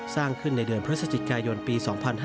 สร้างขึ้นในเดือนพฤศจิกายนปี๒๕๕๙